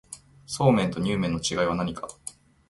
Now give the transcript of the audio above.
そうめんとにゅう麵の違いは何か